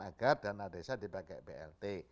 agar dana desa dipakai blt